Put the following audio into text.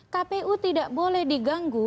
kpu tidak boleh diganggu